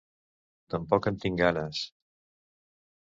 Tampoc en tinc ganes...